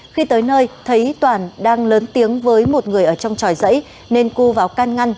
khi tới nơi thấy toàn đang lớn tiếng với một người ở trong tròi dãy nên cưu vào can ngăn